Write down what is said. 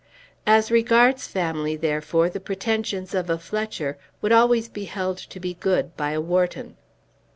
As regards family, therefore, the pretensions of a Fletcher would always be held to be good by a Wharton.